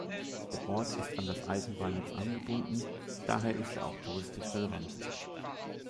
Der Ort ist an das Eisenbahnnetz angebunden; daher ist er auch touristisch relevant.